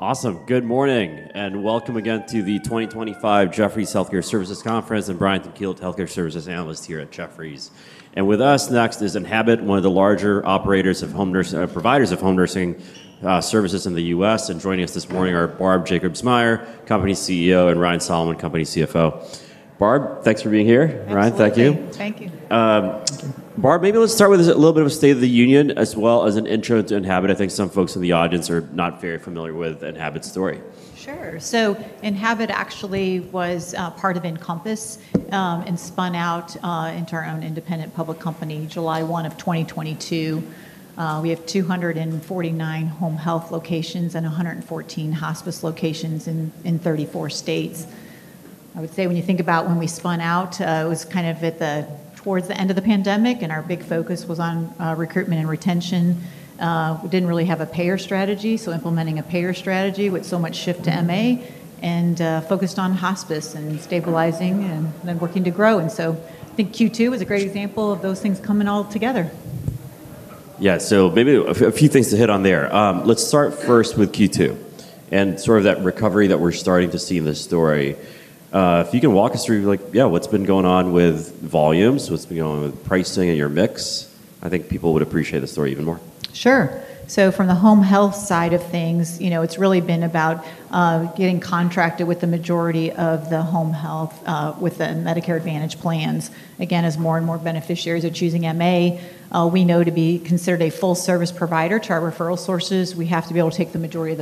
Awesome. Good morning and welcome again to the 2025 Jefferies Healthcare Services Conference. I'm Brian Tanquilut, Healthcare Services Analyst here at Jefferies. With us next is Enhabit, one of the larger operators of home nursing, providers of home nursing services in the United States. Joining us this morning are Barb Jacobsmeyer, Company CEO, and Ryan Solomon, Company CFO. Barb, thanks for being here. Ryan, thank you. Thank you. Barb, maybe let's start with a little bit of a State of the Union as well as an intro to Enhabit. I think some folks in the audience are not very familiar with Enhabit's story. Sure. Enhabit actually was part of Encompass and spun out into our own independent public company July 1 of 2022. We have 249 home health locations and 114 hospice locations in 34 states. I would say when you think about when we spun out, it was kind of towards the end of the pandemic, and our big focus was on recruitment and retention. We didn't really have a payer strategy, so implementing a payer strategy with so much shift to MA and focused on hospice and stabilizing and then working to grow. I think Q2 was a great example of those things coming all together. Yeah, so maybe a few things to hit on there. Let's start first with Q2 and sort of that recovery that we're starting to see in this story. If you can walk us through, like, yeah, what's been going on with volumes, what's been going on with pricing and your mix, I think people would appreciate the story even more. Sure. From the home health side of things, it's really been about getting contracted with the majority of the home health, with the Medicare Advantage plans. As more and more beneficiaries are choosing MA, we know to be considered a full service provider to our referral sources, we have to be able to take the majority of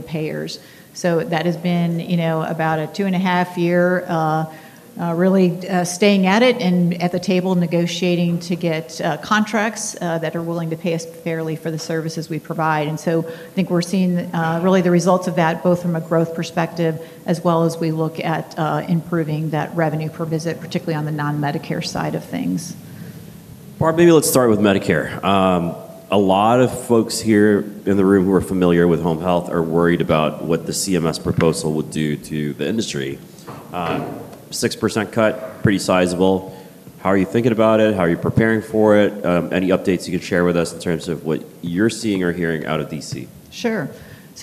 the payers. That has been about a two and a half year, really, staying at it and at the table negotiating to get contracts that are willing to pay us fairly for the services we provide. I think we're seeing the results of that both from a growth perspective as well as we look at improving that revenue per visit, particularly on the non-Medicare side of things. Barb, maybe let's start with Medicare. A lot of folks here in the room who are familiar with home health are worried about what the CMS proposal would do to the industry. 6% cut, pretty sizable. How are you thinking about it? How are you preparing for it? Any updates you could share with us in terms of what you're seeing or hearing out of D.C.? Sure.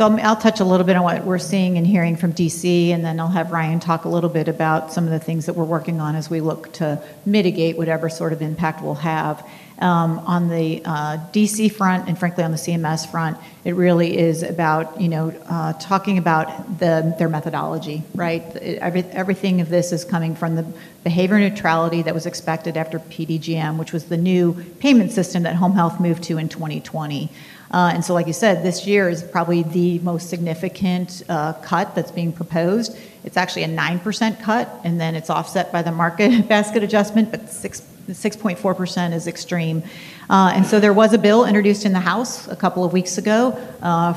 I'll touch a little bit on what we're seeing and hearing from D.C., and then I'll have Ryan talk a little bit about some of the things that we're working on as we look to mitigate whatever sort of impact we'll have. On the D.C. front and frankly on the CMS front, it really is about talking about their methodology, right? Everything of this is coming from the behavior neutrality that was expected after PDGM, which was the new payment system that home health moved to in 2020. Like you said, this year is probably the most significant cut that's being proposed. It's actually a 9% cut, and then it's offset by the market basket adjustment, but 6.4% is extreme. There was a bill introduced in the House a couple of weeks ago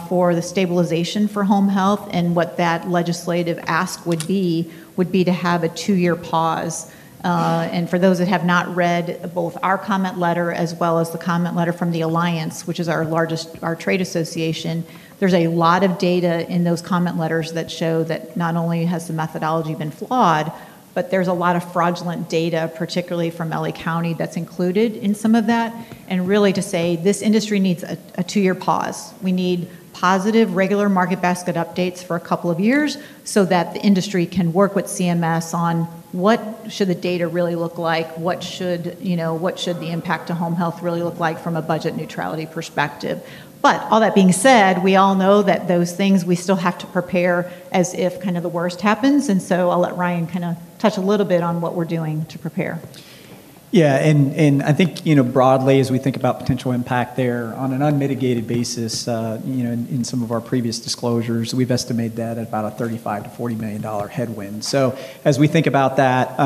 for the stabilization for home health, and what that legislative ask would be would be to have a two-year pause. For those that have not read both our comment letter as well as the comment letter from the Alliance, which is our largest trade association, there's a lot of data in those comment letters that show that not only has the methodology been flawed, but there's a lot of fraudulent data, particularly from L.A. County, that's included in some of that. Really to say this industry needs a two-year pause. We need positive regular market basket updates for a couple of years so that the industry can work with CMS on what should the data really look like, what should the impact to home health really look like from a budget neutrality perspective. All that being said, we all know that those things we still have to prepare as if kind of the worst happens. I'll let Ryan kind of touch a little bit on what we're doing to prepare. Yeah, and I think, you know, broadly as we think about potential impact there on an unmitigated basis, in some of our previous disclosures, we've estimated that at about a $35 million-$40 million headwind. As we think about that,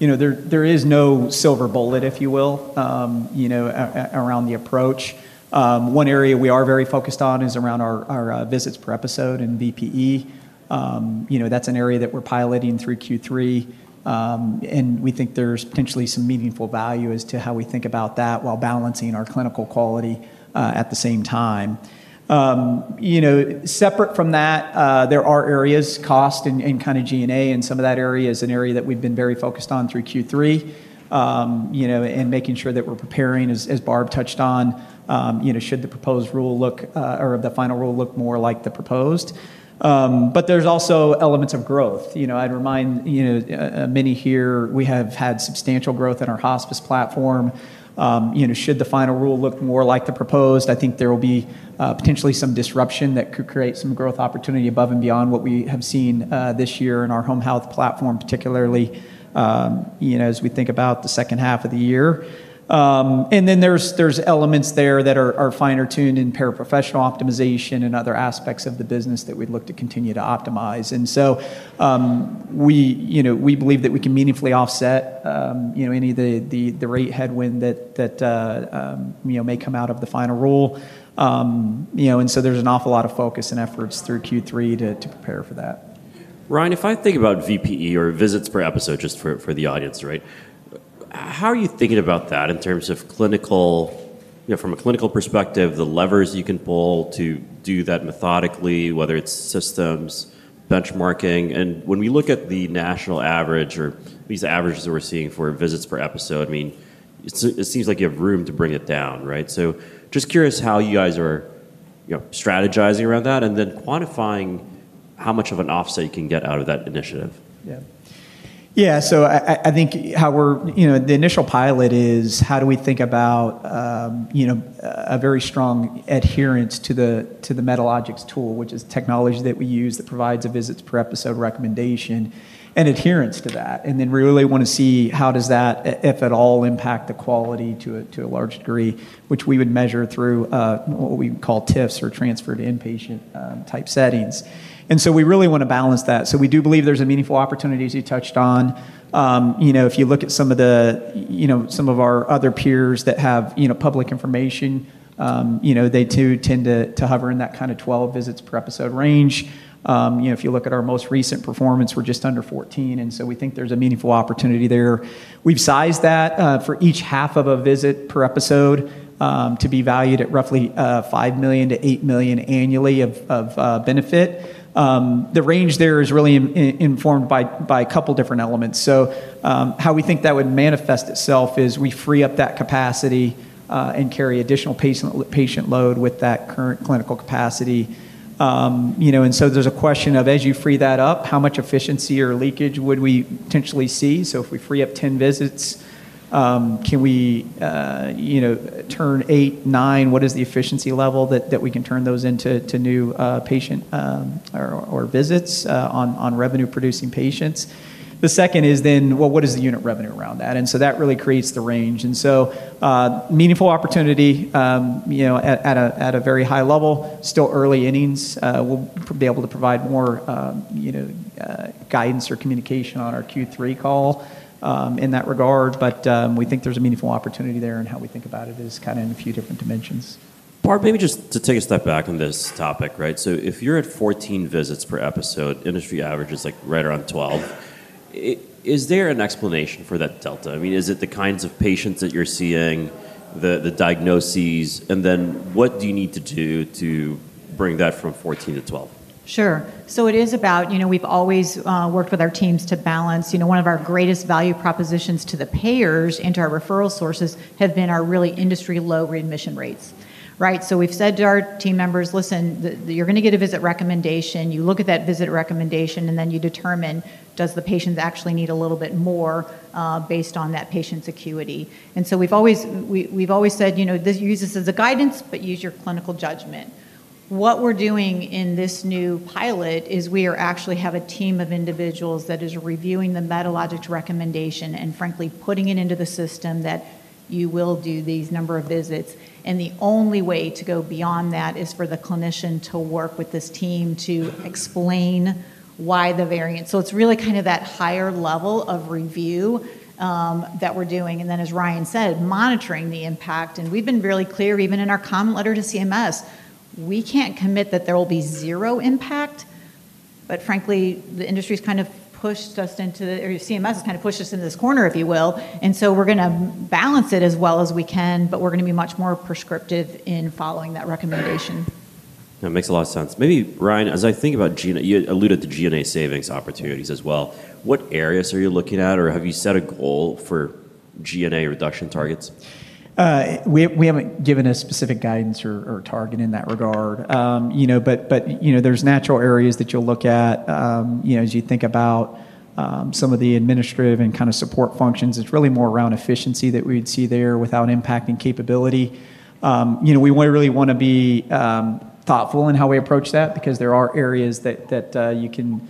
there is no silver bullet, if you will, around the approach. One area we are very focused on is around our visits per episode and VPE. That's an area that we're piloting through Q3, and we think there's potentially some meaningful value as to how we think about that while balancing our clinical quality at the same time. Separate from that, there are areas of cost and kind of G&A, and some of that area is an area that we've been very focused on through Q3, making sure that we're preparing, as Barb Jacobsmeyer touched on, should the proposed rule look, or the final rule look more like the proposed. There's also elements of growth. I'd remind many here we have had substantial growth in our hospice platform. Should the final rule look more like the proposed, I think there will be potentially some disruption that could create some growth opportunity above and beyond what we have seen this year in our home health platform, particularly as we think about the second half of the year. There are elements there that are finer tuned in paraprofessional optimization and other aspects of the business that we've looked to continue to optimize. We believe that we can meaningfully offset any of the rate headwind that may come out of the final rule. There's an awful lot of focus and efforts through Q3 to prepare for that. Ryan, if I think about VPE or visits per episode, just for the audience, right? How are you thinking about that in terms of clinical, from a clinical perspective, the levers you can pull to do that methodically, whether it's systems, benchmarking, and when we look at the national average or these averages that we're seeing for visits per episode, it seems like you have room to bring it down, right? Just curious how you guys are strategizing around that and then quantifying how much of an offset you can get out of that initiative. Yeah, so I think how we're, you know, the initial pilot is how do we think about, you know, a very strong adherence to the, to the Medalogics Pulse tool, which is technology that we use that provides a visits per episode recommendation and adherence to that. We really want to see how does that, if at all, impact the quality to a large degree, which we would measure through what we call TIFs or transfer to inpatient type settings. We really want to balance that. We do believe there's a meaningful opportunity as you touched on. If you look at some of the, you know, some of our other peers that have public information, they too tend to hover in that kind of 12 visits per episode range. If you look at our most recent performance, we're just under 14. We think there's a meaningful opportunity there. We've sized that, for each half of a visit per episode, to be valued at roughly $5 million-$8 million annually of benefit. The range there is really informed by a couple different elements. How we think that would manifest itself is we free up that capacity and carry additional patient load with that current clinical capacity. There's a question of, as you free that up, how much efficiency or leakage would we potentially see? If we free up 10 visits, can we, you know, turn 8, 9? What is the efficiency level that we can turn those into new patient or visits on revenue producing patients? The second is then, what is the unit revenue around that? That really creates the range. Meaningful opportunity, at a very high level, still early innings, we'll be able to provide more guidance or communication on our Q3 call in that regard. We think there's a meaningful opportunity there and how we think about it is kind of in a few different dimensions. Barb, maybe just to take a step back from this topic, right? If you're at 14 visits per episode, industry average is like right around 12. Is there an explanation for that delta? I mean, is it the kinds of patients that you're seeing, the diagnoses, and then what do you need to do to bring that from 14 to 12? Sure. It is about, you know, we've always worked with our teams to balance, you know, one of our greatest value propositions to the payers and to our referral sources has been our really industry low readmission rates, right? We've said to our team members, listen, you're going to get a visit recommendation, you look at that visit recommendation, and then you determine, does the patient actually need a little bit more, based on that patient's acuity? We've always said, you know, this uses as a guidance, but use your clinical judgment. What we're doing in this new pilot is we actually have a team of individuals that is reviewing the Medalogics Pulse recommendation and frankly putting it into the system that you will do these number of visits. The only way to go beyond that is for the clinician to work with this team to explain why the variance. It is really kind of that higher level of review that we're doing. As Ryan said, monitoring the impact. We've been really clear, even in our comment letter to CMS, we can't commit that there will be zero impact. Frankly, the industry's kind of pushed us into the, or CMS has kind of pushed us into this corner, if you will. We're going to balance it as well as we can, but we're going to be much more prescriptive in following that recommendation. That makes a lot of sense. Maybe, Brian, as I think about G&A, you alluded to G&A savings opportunities as well. What areas are you looking at, or have you set a goal for G&A reduction targets? We haven't given a specific guidance or target in that regard. You know, there's natural areas that you'll look at. As you think about some of the administrative and kind of support functions, it's really more around efficiency that we would see there without impacting capability. We really want to be thoughtful in how we approach that because there are areas that you can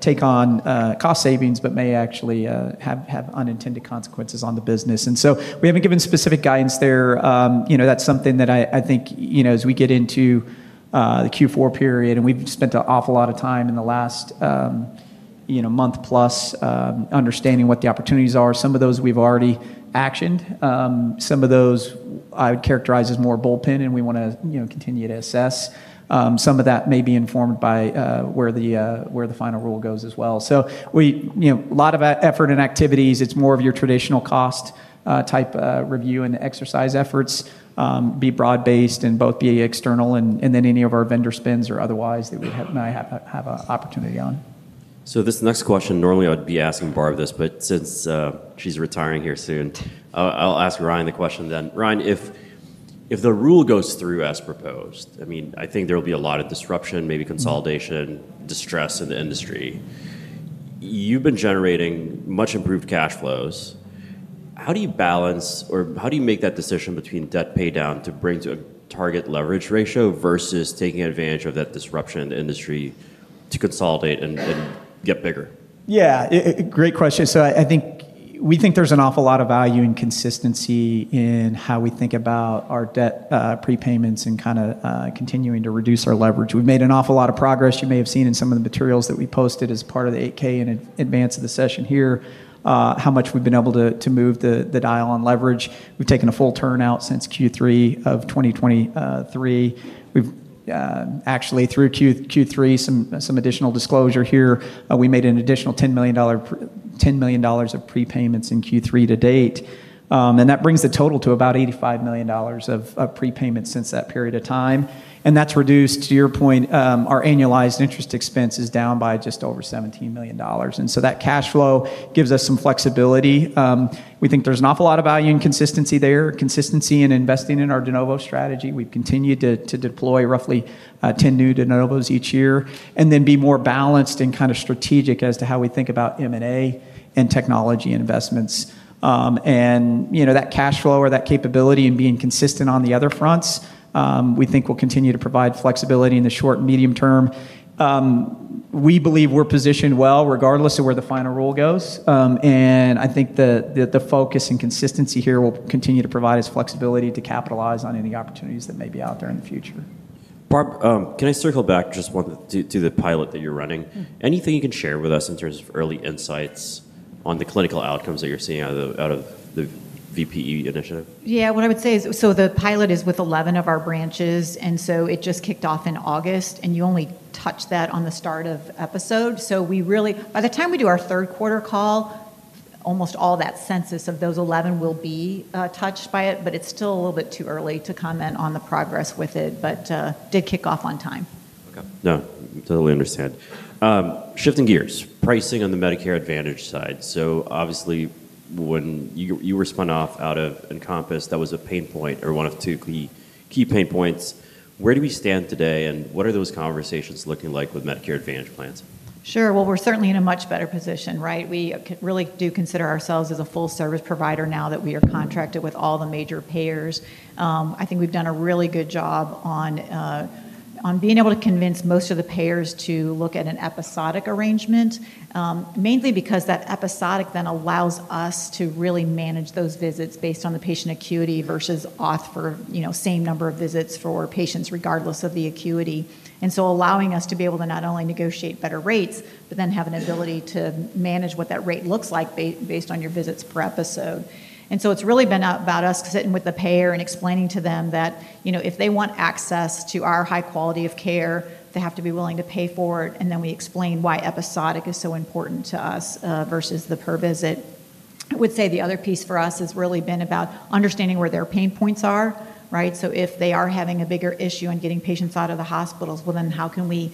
take on cost savings, but may actually have unintended consequences on the business. We haven't given specific guidance there. That's something that I think, as we get into the Q4 period, and we've spent an awful lot of time in the last month plus understanding what the opportunities are. Some of those we've already actioned. Some of those I would characterize as more bullpen, and we want to continue to assess. Some of that may be informed by where the final rule goes as well. A lot of effort and activities, it's more of your traditional cost type review and exercise efforts, be broad-based and both be external and then any of our vendor spends or otherwise that we have might have an opportunity on. This next question, normally I'd be asking Barb this, but since she's retiring here soon, I'll ask Ryan the question. Ryan, if the rule goes through as proposed, I think there'll be a lot of disruption, maybe consolidation, distress in the industry. You've been generating much improved cash flows. How do you balance or how do you make that decision between debt pay down to bring to a target leverage ratio versus taking advantage of that disruption in the industry to consolidate and get bigger? Yeah, great question. I think we think there's an awful lot of value in consistency in how we think about our debt, prepayments, and continuing to reduce our leverage. We've made an awful lot of progress. You may have seen in some of the materials that we posted as part of the 8K in advance of the session here how much we've been able to move the dial on leverage. We've taken a full turn out since Q3 of 2023. Actually, through Q3, some additional disclosure here, we made an additional $10 million of prepayments in Q3 to date, and that brings the total to about $85 million of prepayments since that period of time. That's reduced, to your point, our annualized interest expense by just over $17 million. That cash flow gives us some flexibility. We think there's an awful lot of value in consistency there, consistency in investing in our de novo strategy. We've continued to deploy roughly 10 new de novos each year and then be more balanced and strategic as to how we think about M&A and technology and investments. That cash flow or that capability and being consistent on the other fronts, we think will continue to provide flexibility in the short and medium term. We believe we're positioned well regardless of where the final rule goes. I think the focus and consistency here will continue to provide us flexibility to capitalize on any opportunities that may be out there in the future. Barb, can I circle back just one to the pilot that you're running? Anything you can share with us in terms of early insights on the clinical outcomes that you're seeing out of the VPE initiative? What I would say is, the pilot is with 11 of our branches, and it just kicked off in August, and you only touched that on the start of episode. By the time we do our third quarter call, almost all that census of those 11 will be touched by it, but it's still a little bit too early to comment on the progress with it. It did kick off on time. Okay. No, totally understand. Shifting gears, pricing on the Medicare Advantage side. Obviously when you were spun off out of Encompass, that was a pain point or one of two key pain points. Where do we stand today and what are those conversations looking like with Medicare Advantage plans? Sure. We are certainly in a much better position, right? We really do consider ourselves as a full service provider now that we are contracted with all the major payers. I think we've done a really good job on being able to convince most of the payers to look at an episodic arrangement, mainly because that episodic then allows us to really manage those visits based on the patient acuity versus auth for, you know, same number of visits for patients regardless of the acuity. Allowing us to be able to not only negotiate better rates, but then have an ability to manage what that rate looks like based on your visits per episode. It has really been about us sitting with the payer and explaining to them that, you know, if they want access to our high quality of care, they have to be willing to pay for it. We explain why episodic is so important to us versus the per visit. I would say the other piece for us has really been about understanding where their pain points are, right? If they are having a bigger issue in getting patients out of the hospitals, how can we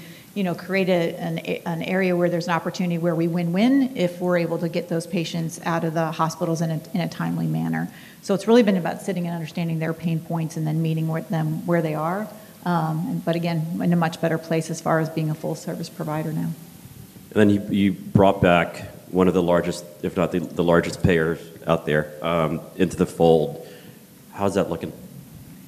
create an area where there's an opportunity where we win-win if we're able to get those patients out of the hospitals in a timely manner. It has really been about sitting and understanding their pain points and then meeting with them where they are. Again, in a much better place as far as being a full service provider now. You brought back one of the largest, if not the largest, payers out there into the fold. How's that looking?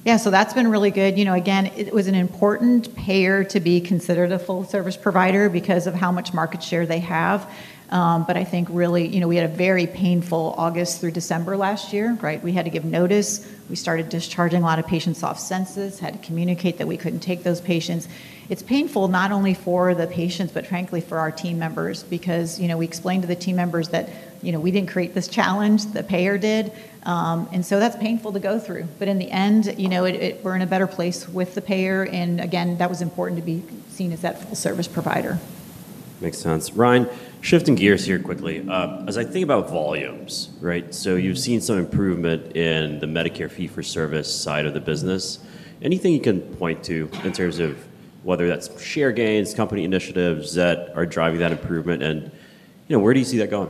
Yeah, so that's been really good. It was an important payer to be considered a full service provider because of how much market share they have. I think really, we had a very painful August through December last year, right? We had to give notice. We started discharging a lot of patients off census, had to communicate that we couldn't take those patients. It's painful not only for the patients, but frankly for our team members because we explained to the team members that we didn't create this challenge, the payer did. It's painful to go through. In the end, we're in a better place with the payer. That was important to be seen as that full service provider. Makes sense. Ryan, shifting gears here quickly, as I think about volumes, right? You've seen some improvement in the Medicare fee for service side of the business. Anything you can point to in terms of whether that's share gains, company initiatives that are driving that improvement, and where do you see that going?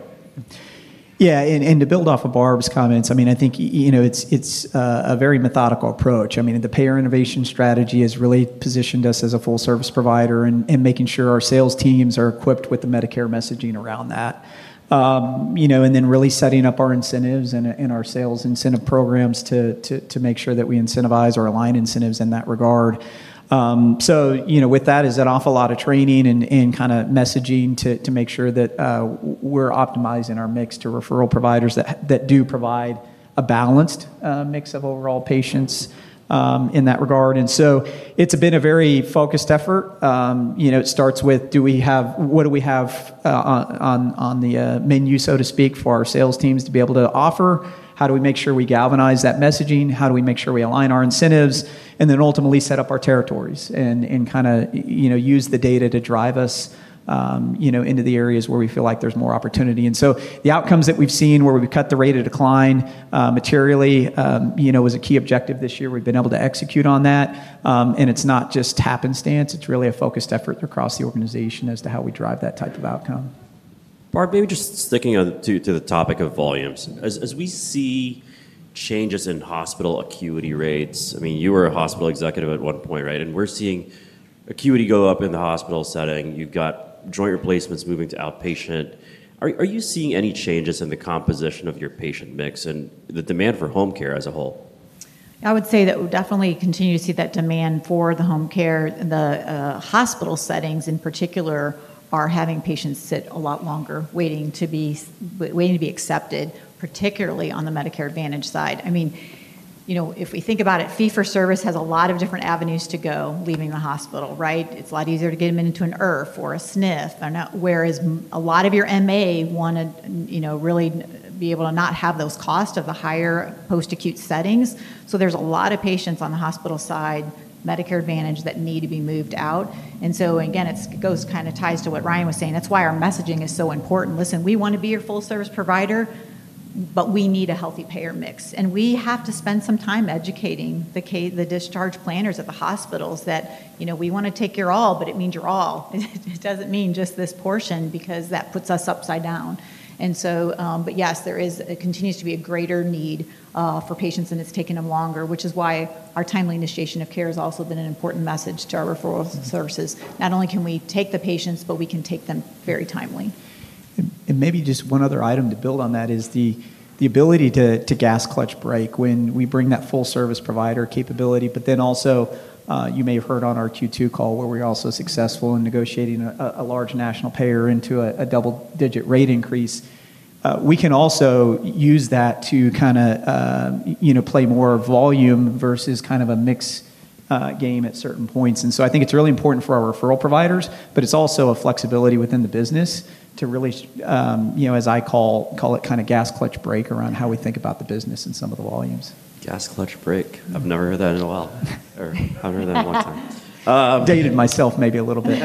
Yeah, and to build off of Barb Jacobsmeyer's comments, I mean, I think, you know, it's a very methodical approach. I mean, the payer innovation strategy has really positioned us as a full service provider and making sure our sales teams are equipped with the Medicare messaging around that. You know, and then really setting up our incentives and our sales incentive programs to make sure that we incentivize or align incentives in that regard. You know, with that is an awful lot of training and kind of messaging to make sure that we're optimizing our mix to referral providers that do provide a balanced mix of overall patients in that regard. It's been a very focused effort. It starts with do we have, what do we have, on the menu, so to speak, for our sales teams to be able to offer? How do we make sure we galvanize that messaging? How do we make sure we align our incentives and then ultimately set up our territories and kind of, you know, use the data to drive us into the areas where we feel like there's more opportunity. The outcomes that we've seen where we've cut the rate of decline materially was a key objective this year. We've been able to execute on that, and it's not just happenstance. It's really a focused effort across the organization as to how we drive that type of outcome. Barb, maybe just sticking to the topic of volumes. As we see changes in hospital acuity rates, I mean, you were a hospital executive at one point, right? We're seeing acuity go up in the hospital setting. You've got joint replacements moving to outpatient. Are you seeing any changes in the composition of your patient mix and the demand for home care as a whole? Yeah, I would say that we'll definitely continue to see that demand for the home care. The hospital settings in particular are having patients sit a lot longer waiting to be accepted, particularly on the Medicare Advantage side. I mean, if we think about it, fee for service has a lot of different avenues to go leaving the hospital, right? It's a lot easier to get them into an IRF or a SNF, whereas a lot of your MA want to really be able to not have those costs of a higher post-acute settings. There are a lot of patients on the hospital side, Medicare Advantage, that need to be moved out. It kind of ties to what Ryan was saying. That's why our messaging is so important. Listen, we want to be your full service provider, but we need a healthy payer mix. We have to spend some time educating the discharge planners at the hospitals that we want to take your all, but it means your all. It doesn't mean just this portion because that puts us upside down. Yes, there continues to be a greater need for patients and it's taking them longer, which is why our timely initiation of care has also been an important message to our referral services. Not only can we take the patients, but we can take them very timely. One other item to build on that is the ability to gas clutch break when we bring that full service provider capability. You may have heard on our Q2 call where we were also successful in negotiating a large national payer into a double-digit rate increase. We can also use that to kind of play more volume versus kind of a mix game at certain points. I think it's really important for our referral providers, but it's also a flexibility within the business to really, as I call it, kind of gas clutch break around how we think about the business and some of the volumes. Gas, clutch, brake. I haven't heard that in a long time. I've dated myself maybe a little bit.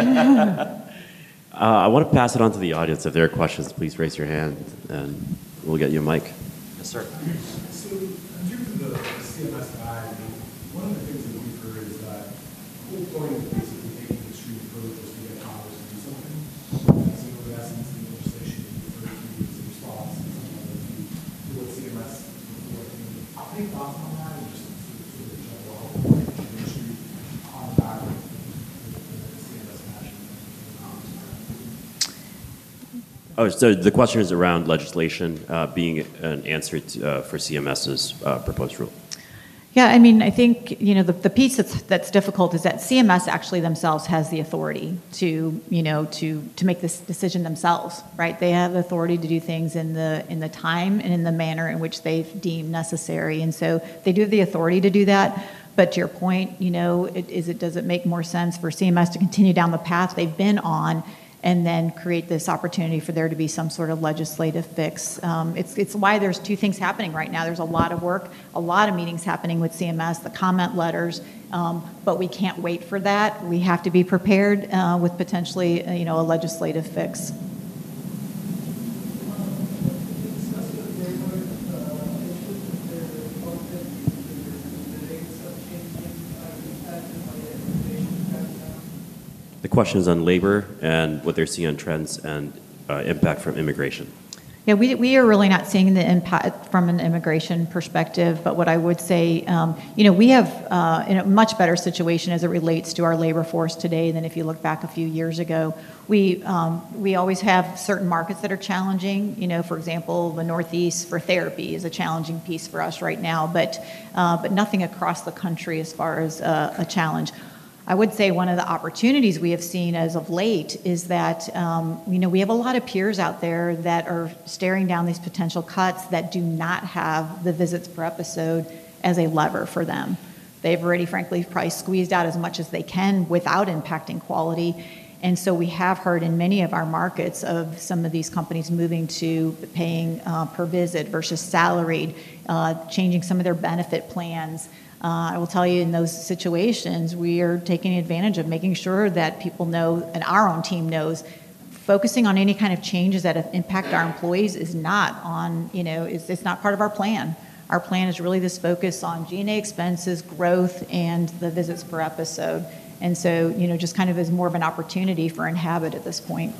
I want to pass it on to the audience. If there are questions, please raise your hand and we'll get you a mic. Yes, sir. the Centers for Medicare & Medicaid Services guy, you know, one of the things that we've heard is that we're going to basically take the extreme approach to get Congress to do something, but we're not going to be able to ask them to do legislation in the same spouse. It's not going to be with the Centers for Medicare & Medicaid Services. I think last month, I'm just going to see if we have the all right to talk about. The question is around legislation being an answer to, for Centers for Medicare & Medicaid Services' proposed rule. Yeah, I mean, I think the piece that's difficult is that CMS actually themselves has the authority to make this decision themselves, right? They have authority to do things in the time and in the manner in which they deem necessary. They do have the authority to do that. To your point, does it make more sense for CMS to continue down the path they've been on and then create this opportunity for there to be some sort of legislative fix? It's why there's two things happening right now. There's a lot of work, a lot of meetings happening with CMS, the comment letters, but we can't wait for that. We have to be prepared with potentially a legislative fix. The question is on labor and what they're seeing on trends and impact from immigration. Yeah, we are really not seeing the impact from an immigration perspective, but what I would say, you know, we have in a much better situation as it relates to our labor force today than if you look back a few years ago. We always have certain markets that are challenging. For example, the Northeast for therapy is a challenging piece for us right now, but nothing across the country as far as a challenge. I would say one of the opportunities we have seen as of late is that, you know, we have a lot of peers out there that are staring down these potential cuts that do not have the visits per episode as a lever for them. They've already frankly probably squeezed out as much as they can without impacting quality. We have heard in many of our markets of some of these companies moving to paying per visit versus salaried, changing some of their benefit plans. I will tell you, in those situations, we are taking advantage of making sure that people know and our own team knows focusing on any kind of changes that impact our employees is not on, you know, is this not part of our plan? Our plan is really this focus on G&A expenses, growth, and the visits per episode. Just kind of as more of an opportunity for Enhabit at this point.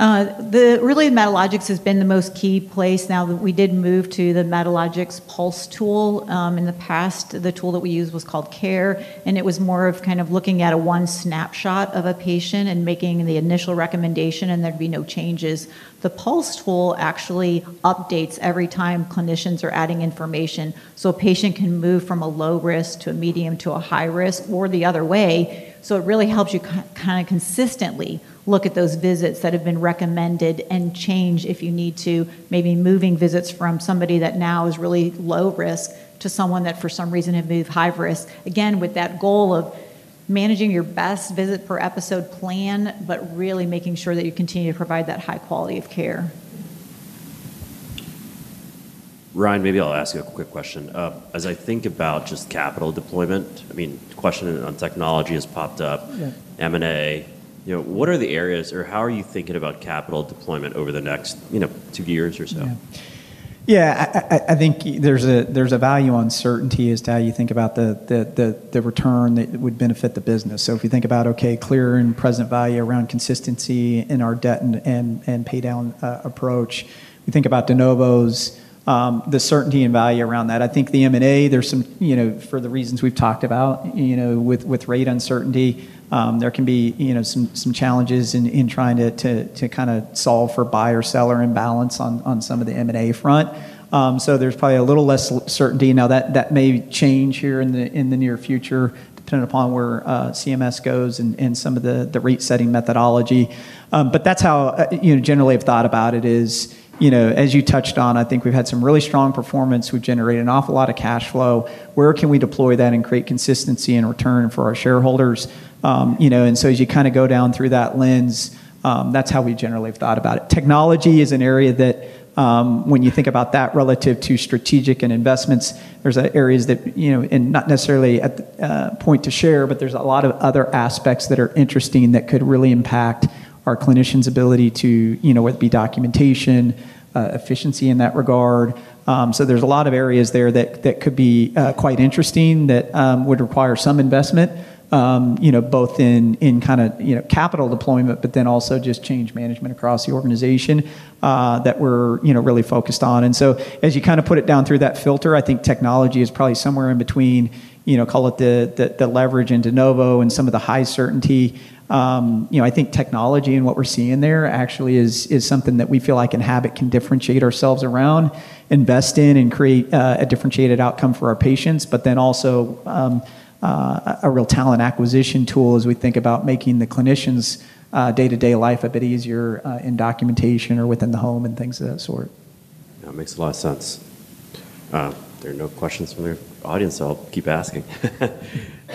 You spoke about Medalogics. What Medalogics do you need to do to justify their business? Or do you need any other technology or? Really, Medalogics has been the most key place now that we did move to the Medalogics Pulse tool. In the past, the tool that we used was called Care, and it was more of kind of looking at a one snapshot of a patient and making the initial recommendation, and there'd be no changes. The Pulse tool actually updates every time clinicians are adding information. A patient can move from a low risk to a medium to a high risk or the other way. It really helps you kind of consistently look at those visits that have been recommended and change if you need to, maybe moving visits from somebody that now is really low risk to someone that for some reason had moved high risk. Again, with that goal of managing your best visits per episode plan, but really making sure that you continue to provide that high quality of care. Ryan, maybe I'll ask you a quick question. As I think about just capital deployment, the question on technology has popped up. M&A, what are the areas or how are you thinking about capital deployment over the next two years or so? Yeah, I think there's a value uncertainty as to how you think about the return that would benefit the business. If you think about, okay, clear and present value around consistency in our debt and pay down approach, we think about de novo expansion, the certainty and value around that. I think the M&A, for the reasons we've talked about, with rate uncertainty, there can be some challenges in trying to kind of solve for buyer-seller imbalance on some of the M&A front. There's probably a little less certainty. That may change here in the near future, depending upon where the Centers for Medicare & Medicaid Services goes and some of the rate setting methodology. That's how, generally, I've thought about it. As you touched on, I think we've had some really strong performance. We've generated an awful lot of cash flow. Where can we deploy that and create consistency and return for our shareholders? As you kind of go down through that lens, that's how we generally have thought about it. Technology is an area that, when you think about that relative to strategic and investments, there's areas that, and not necessarily at the point to share, but there's a lot of other aspects that are interesting that could really impact our clinicians' ability to, whether it be documentation, efficiency in that regard. There's a lot of areas there that could be quite interesting that would require some investment, both in kind of capital deployment, but then also just change management across the organization that we're really focused on. As you kind of put it down through that filter, I think technology is probably somewhere in between, call it the leverage and de novo expansion and some of the high certainty. I think technology and what we're seeing there actually is something that we feel like Enhabit can differentiate ourselves around, invest in, and create a differentiated outcome for our patients, but then also a real talent acquisition tool as we think about making the clinicians' day-to-day life a bit easier in documentation or within the home and things of that sort. That makes a lot of sense. There are no questions from the audience, so I'll keep asking.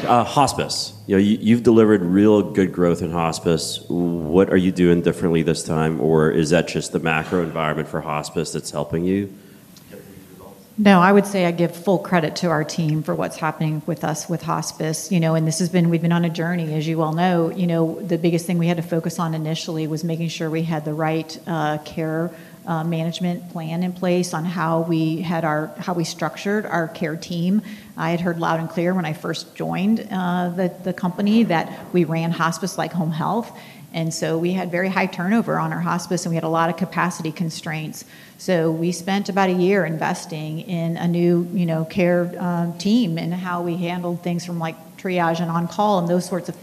Hospice. You've delivered real good growth in hospice. What are you doing differently this time, or is that just the macro environment for hospice that's helping you? No, I would say I give full credit to our team for what's happening with us with hospice. This has been, we've been on a journey, as you all know. The biggest thing we had to focus on initially was making sure we had the right care management plan in place on how we had our, how we structured our care team. I had heard loud and clear when I first joined the company that we ran hospice like home health. We had very high turnover on our hospice, and we had a lot of capacity constraints. We spent about a year investing in a new care team and how we handled things from triage and on-call and those sorts of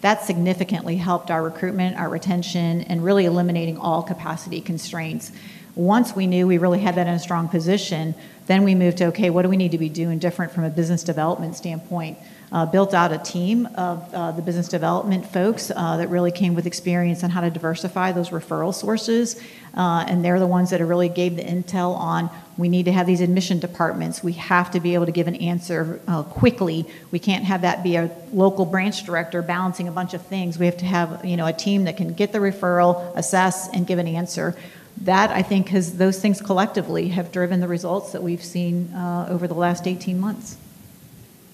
things. That significantly helped our recruitment, our retention, and really eliminating all capacity constraints. Once we knew we really had that in a strong position, we moved to, okay, what do we need to be doing different from a business development standpoint? Built out a team of the business development folks that really came with experience on how to diversify those referral sources. They're the ones that really gave the intel on we need to have these admission departments. We have to be able to give an answer quickly. We can't have that be a local branch director balancing a bunch of things. We have to have a team that can get the referral, assess, and give an answer. I think those things collectively have driven the results that we've seen over the last 18 months.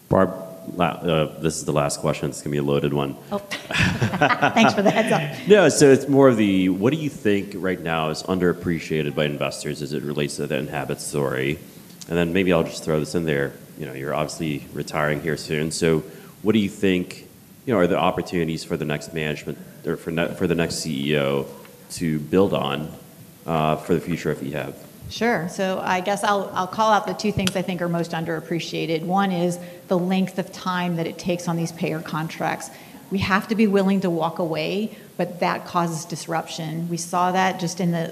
Barb, this is the last question. It's going to be a loaded one. Oh, thanks for the heads up. No, it's more of the, what do you think right now is underappreciated by investors as it relates to the Enhabit story? Maybe I'll just throw this in there. You're obviously retiring here soon. What do you think are the opportunities for the next management or for the next CEO to build on for the future of Enhabit? Sure. I guess I'll call out the two things I think are most underappreciated. One is the length of time that it takes on these payer contracts. We have to be willing to walk away, but that causes disruption. We saw that just in the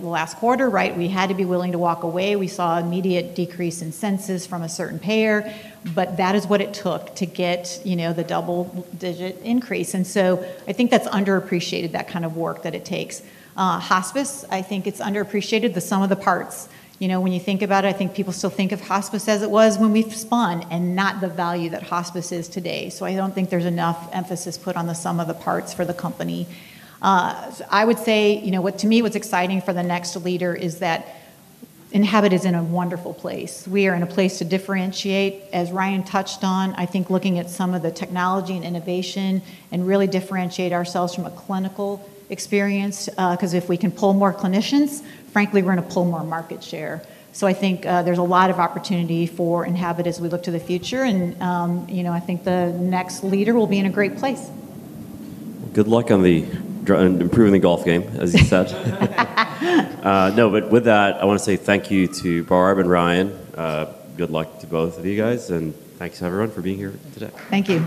last quarter, right? We had to be willing to walk away. We saw an immediate decrease in census from a certain payer, but that is what it took to get the double-digit increase. I think that's underappreciated, that kind of work that it takes. Hospice, I think it's underappreciated, the sum of the parts. When you think about it, I think people still think of hospice as it was when we spun and not the value that hospice is today. I don't think there's enough emphasis put on the sum of the parts for the company. I would say, you know, to me, what's exciting for the next leader is that Enhabit is in a wonderful place. We are in a place to differentiate. As Ryan touched on, I think looking at some of the technology and innovation and really differentiate ourselves from a clinical experience, because if we can pull more clinicians, frankly, we're going to pull more market share. I think there's a lot of opportunity for Enhabit as we look to the future. I think the next leader will be in a great place. Good luck on improving the golf game, as you said. No, but with that, I want to say thank you to Barb and Ryan. Good luck to both of you guys, and thanks to everyone for being here today. Thank you.